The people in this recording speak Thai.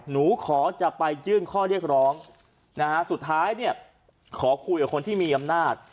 หนูขอจะไปยื่นข้อเรียกร้องนะฮะสุดท้ายเนี่ยขอคุยกับคนที่มีอำนาจ